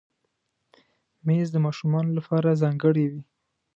مېز د ماشومانو لپاره ځانګړی وي.